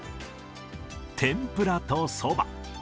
天ぷらとそば。